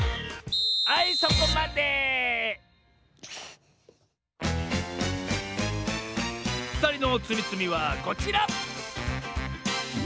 はいそこまでふたりのつみつみはこちら！